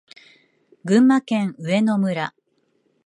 群馬県上野村